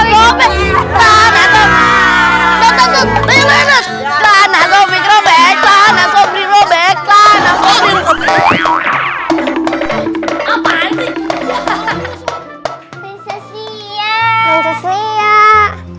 hai terlalu baik baik